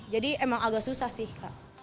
jadi emang agak susah sih